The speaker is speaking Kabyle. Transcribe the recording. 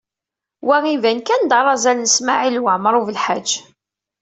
Wa iban kan d arazal n Smawil Waɛmaṛ U Belḥaǧ.